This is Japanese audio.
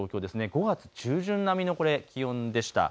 ５月中旬並みの気温でした。